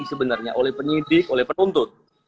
sebenarnya oleh penyidik oleh penuntut